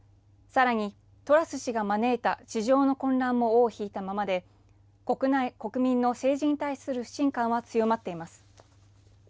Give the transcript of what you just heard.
さらに、トラス氏が招いた市場の混乱も尾を引いたままで国民の政治に対する不信感は強まっています。